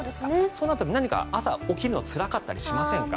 そうなると朝起きるのつらかったりしませんか？